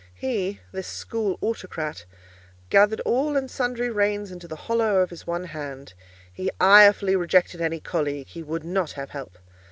He, this school autocrat, gathered all and sundry reins into the hollow of his one hand; he irefully rejected any colleague; he would not have help.